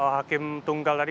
hakim tunggal tadi